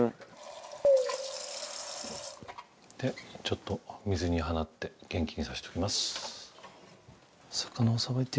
でちょっと水に放って元気にさせておきます。